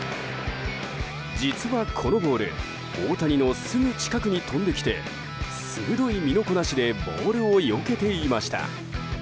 実は、このボール大谷のすぐ近くに飛んできて鋭い身のこなしでボールをよけていました。